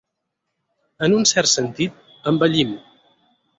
En un cert sentit, embellim.